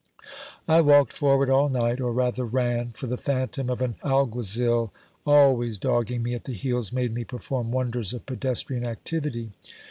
I walked forward all night, or rather ran, for the phantom of an alguazil al ways dogging me at the heels made me perform wonders of pedestrian activity.